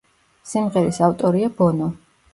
სიმღერის ავტორია ბონო.